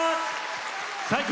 最高！